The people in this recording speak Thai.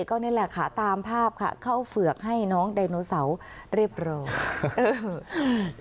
ก็นี่แหละค่ะตามภาพค่ะเข้าเฝือกให้น้องไดโนเสาร์เรียบร้อย